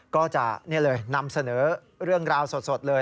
ก็จะเนี่ยเลยนำเสนอเรื่องราวสดเลย